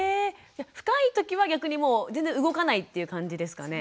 深い時は逆にもう全然動かないという感じですかね。